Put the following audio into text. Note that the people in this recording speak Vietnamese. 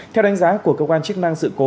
theo đánh giá của cơ quan chức năng sự cố